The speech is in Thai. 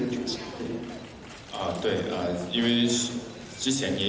น่าจะต้องคิดว่า